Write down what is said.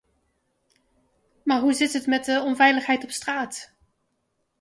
Maar hoe zit het met de onveiligheid op straat?